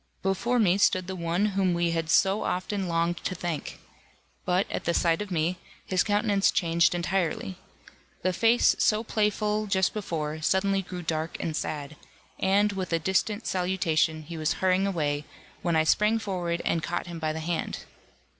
Before me stood the one whom we had so often longed to thank. But at sight of me, his countenance changed entirely. The face, so playful just before, suddenly grew dark and sad, and, with a distant salutation, he was hurrying away, when I sprang forward and caught him by the hand.